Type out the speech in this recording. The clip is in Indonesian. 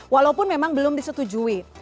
walaupun memang belum disetujui